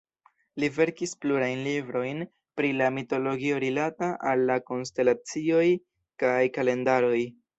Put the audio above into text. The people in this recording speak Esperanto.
Li verkis plurajn librojn pri la mitologio rilata al la konstelacioj kaj kalendaroj.